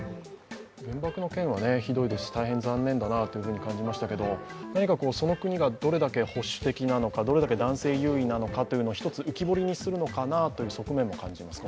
原爆の件はひどいですし、大変残念だなと思いましたがその国がどれだけ保守的なのかどれだけ男性優位なのかなというのを１つ浮き彫りにするのかなという側面も感じます。